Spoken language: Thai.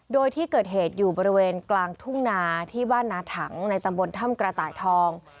โดยที่เกิดเหตุอยู่บริเวณกลางทุ่งนาที่บ้านนาถังในตำบลถ้ำกระต่ายทอง